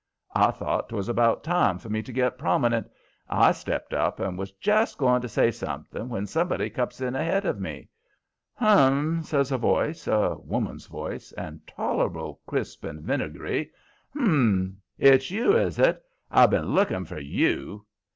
I thought 'twas about time for me to get prominent. I stepped up, and was just going to say something when somebody cuts in ahead of me. "Hum!" says a voice, a woman's voice, and tolerable crisp and vinegary. "Hum! it's you, is it? I've been looking for YOU!"